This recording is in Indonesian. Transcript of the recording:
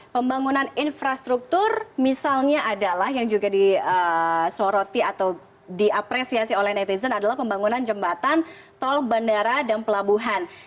pembangunan infrastruktur misalnya adalah yang juga disoroti atau diapresiasi oleh netizen adalah pembangunan jembatan tol bandara dan pelabuhan